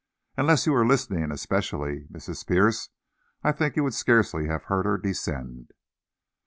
Unless you were listening especially, Mrs. Pierce, I think you would scarcely have heard her descend."